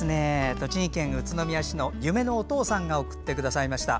栃木県宇都宮市のゆめのお父さんが送ってくださいました。